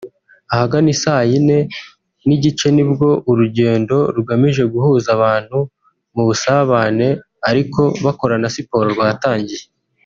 Ahagana i saa yine n’igice nibwo urugendo rugamije guhuza abantu mu busabane ariko bakora na siporo rwatangiye